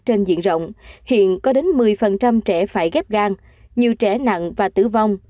trên diện rộng hiện có đến một mươi trẻ phải ghép gan nhiều trẻ nặng và tử vong